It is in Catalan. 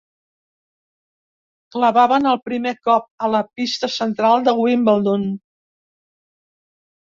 Clavaven el primer cop a la pista central de Wimbledon.